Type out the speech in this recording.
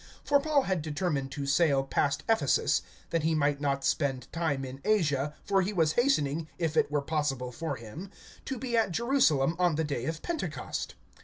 (16)For Paul had determined to sail past Ephesus, that he might not spend time in Asia; for he was hastening, if it were possible for him, to be at Jerusalem on the day of Pentecost.